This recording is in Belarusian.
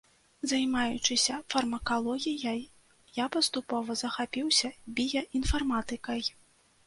Займаючыся фармакалогіяй, я паступова захапіўся біяінфарматыкай.